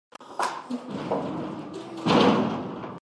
که ماشوم یوازې شیدې وڅښي، نور غذایي مواد یې کمیږي.